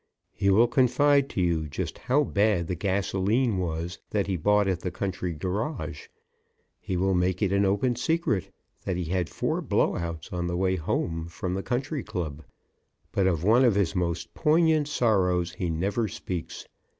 He will confide to you just how bad the gasoline was that he bought at the country garage; he will make it an open secret that he had four blow outs on the way home from the country club; but of one of his most poignant sorrows he never speaks.